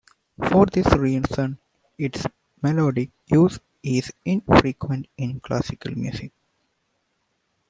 For this reason, its melodic use is infrequent in classical music.